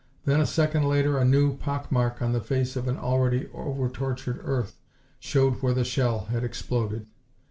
Then a second later a new pock mark on the face of an already over tortured earth showed where the shell had exploded.